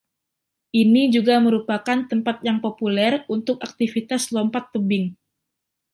Ini juga merupakan tempat yang populer untuk aktivitas lompat tebing.